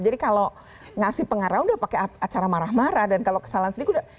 jadi kalau memberikan pengarah sudah pakai acara marah marah dan kalau kesalahan sendiri sudah